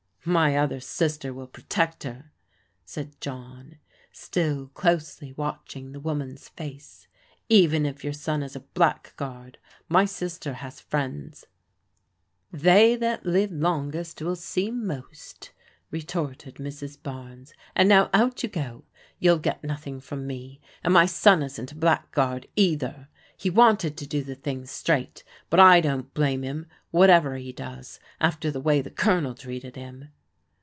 " My other sister will protect her," said John, still closely watching the woman's face. " Even if your son is a blackguard, my sister has friends." " They that live longest will see most," retorted Mrs. Barnes. "And now out you go. You'll get nothing from me. And my son isn't a blackguard, either. He wanted to do the thing straight, but I don't blame him, whatever he does, after the way the Colonel treated him."